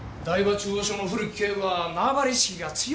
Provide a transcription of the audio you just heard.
中央署の古木警部は縄張り意識が強いんだよ。